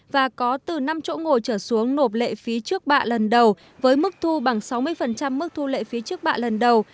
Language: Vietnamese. và có từ năm chỗ ngồi trở xuống nộp lệ phí trước bạ lần đầu với mức thu bằng sáu mươi mức thu lệ phí trước bạ lần đầu